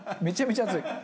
めちゃめちゃ熱い。